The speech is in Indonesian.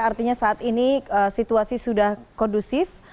artinya saat ini situasi sudah kondusif